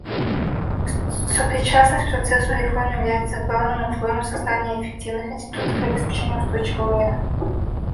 Сопричастность процессу реформ является главным условием создания эффективных институтов и обеспечения устойчивого мира.